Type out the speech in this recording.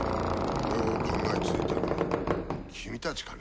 これを考えついたのは君たちかね？